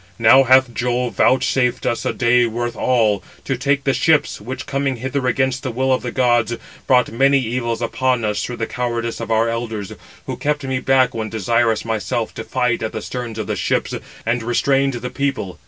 Now hath Jove vouchsafed us a day worth all, 506 to take the ships, which, coming hither against the will of the gods, brought many evils upon us through the cowardice of our elders, who kept me back when desirous myself to fight at the sterns of the ships, and restrained the people.